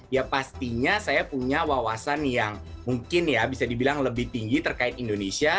ya pastinya saya punya wawasan yang mungkin ya bisa dibilang lebih tinggi terkait indonesia